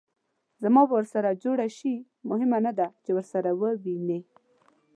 زما به ورسره جوړه شي؟ مهمه نه ده چې ورسره ووینې.